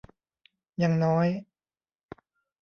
ยังน้อย